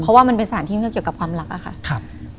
เพราะว่ามันเป็นสารที่มันก็เกี่ยวกับความรักอะค่ะ